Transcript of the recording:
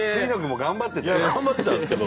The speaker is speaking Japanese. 頑張ってたんですけど。